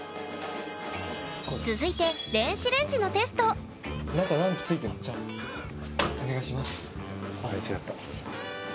続いて電子レンジのテストお願いします。